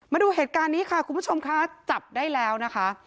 มาดูเหตุการณ์นี้ค่ะคุณผู้ชมค่ะจับได้แล้วนะคะ